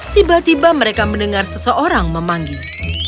tiba tiba mereka mendengar seseorang memanggil